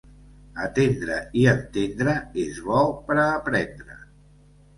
Atendre i entendre és bo per a aprendre.